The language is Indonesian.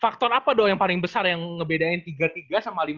faktor apa do yang paling besar yang ngebedain tiga x tiga sama lima x lima